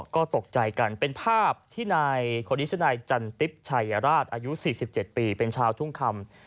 ก็ตกใจกันเป็นภาพที่นายคนนี้ชื่อนายจันติ๊บชัยราชอายุ๔๗ปีเป็นชาวทุ่งคำ